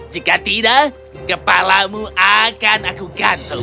jika tidak kepalamu akan aku gantung